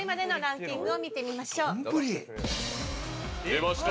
・出ました。